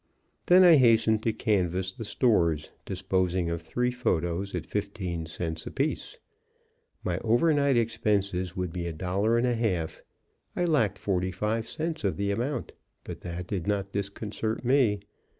Then I hastened to canvass the stores, disposing of three photos at fifteen cents apiece. My over night expenses would be a dollar and a half; I lacked forty five cents of the amount. But that did not disconcert me.